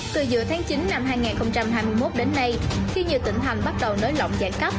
từ giữa tháng chín năm hai nghìn hai mươi một đến nay khi nhiều tỉnh thành bắt đầu nới lỏng giải cấp